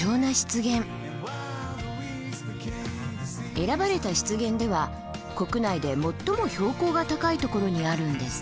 選ばれた湿原では国内で最も標高が高いところにあるんですって。